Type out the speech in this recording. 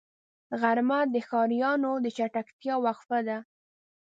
غرمه د ښاريانو د چټکتیا وقفه ده